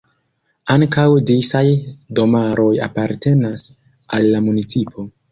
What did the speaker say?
Ankaŭ disaj domaroj apartenas al la municipo.